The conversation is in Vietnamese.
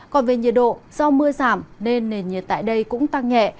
còn về nhiệt độ do mưa giảm nên nền nhiệt tại đây cũng tăng nhẹ